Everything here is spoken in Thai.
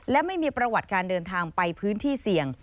และไม่มีประวัติการเดินทางไปพื้นที่เสี่ยง